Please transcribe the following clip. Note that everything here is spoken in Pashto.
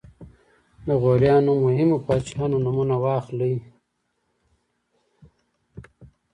د غوریانو مهمو پاچاهانو نومونه واخلئ.